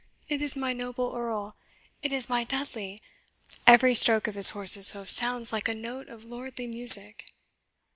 it is my noble Earl! it is my Dudley! every stroke of his horse's hoof sounds like a note of lordly music!"